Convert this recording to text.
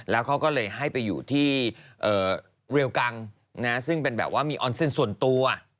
แล้วเขาก็เลยให้ไปอยู่ที่เรียลกังซึ่งเป็นแบบว่ามีออนเซ็นต์ส่วนตัว